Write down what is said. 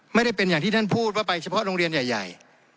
ไม่ได้เป็นอย่างที่ท่านพูดว่าไปเฉพาะโรงเรียนใหญ่